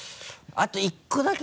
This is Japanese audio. あと１個だけ。